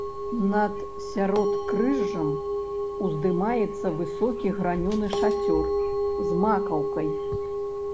Над сяродкрыжжам уздымаецца высокі гранёны шацёр з макаўкай.